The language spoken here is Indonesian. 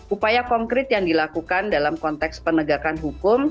upaya konkret yang dilakukan dalam konteks penegakan hukum